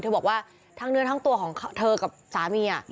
บอกว่าทั้งเนื้อทั้งตัวของเธอกับสามี